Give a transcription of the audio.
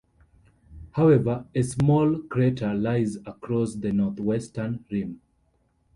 However, a small crater lies across the northwestern rim.